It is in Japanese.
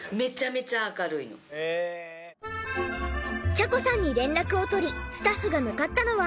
茶子さんに連絡を取りスタッフが向かったのは。